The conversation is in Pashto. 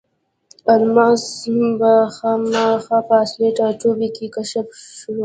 الماس په خاما په اصلي ټاټوبي کې کشف شو.